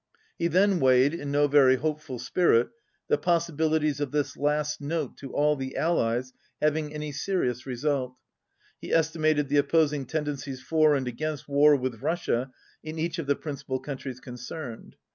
He then weighed, in no very hopeful spirit, the possibilities of this last Note to all the Allies having any seri 55 ous result. He estimated the opposing tendencies for and against war with Russia in each of the principal countries concerned.